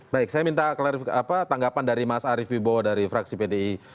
baik saya minta tanggapan dari mas arief wibowo dari fraksi pdi